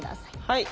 はい。